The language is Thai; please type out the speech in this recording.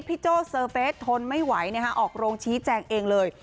โจ้เซอร์เฟสทนไม่ไหวออกโรงชี้แจงเองเลย